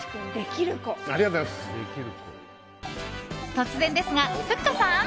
突然ですが、ふっかさん。